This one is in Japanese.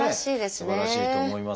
すばらしいと思いますが。